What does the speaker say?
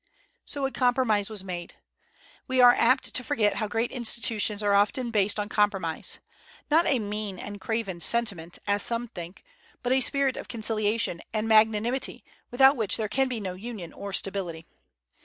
So a compromise was made. We are apt to forget how great institutions are often based on compromise, not a mean and craven sentiment, as some think, but a spirit of conciliation and magnanimity, without which there can be no union or stability.